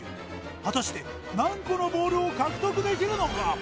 果たして何個のボールを獲得できるのか？